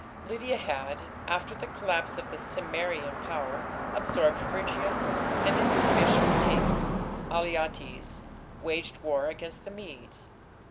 Lydia had, after the collapse of the Cimmerian power, absorbed Phrygia, and its ambitious king, Alyattes, waged war against the Medes.